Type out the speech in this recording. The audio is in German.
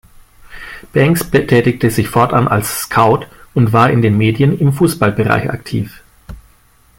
Banks betätigte sich fortan als Scout und war in den Medien im Fußballbereich aktiv.